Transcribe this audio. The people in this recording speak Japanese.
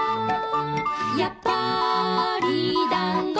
「やっぱりだんご」